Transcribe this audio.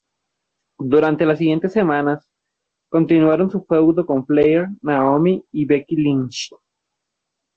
Durante la siguientes semanas continuaron su feudo con Flair, Naomi y Becky Lynch.